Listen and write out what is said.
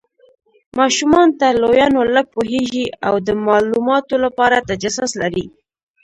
ماشومان تر لویانو لږ پوهیږي او د مالوماتو لپاره تجسس لري.